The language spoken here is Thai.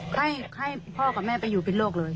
ให้พ่อกับแม่ไปอยู่พิษโลกเลย